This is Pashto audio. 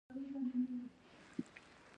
ګروپی درس وایی؟